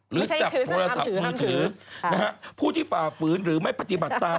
หรือจับโทรศัพท์มือถือนะฮะผู้ที่ฝ่าฝืนหรือไม่ปฏิบัติตาม